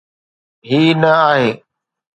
هي نه آهي.